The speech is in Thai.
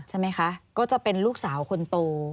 ใช่ไหมคะก็จะเป็นลูกสาวคนโต